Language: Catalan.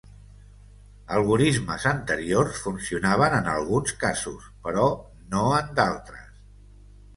Algorismes anteriors funcionaven en alguns casos, però no en d'altres.